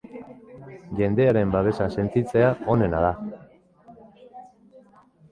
Jendearen babesa sentitzea onena da.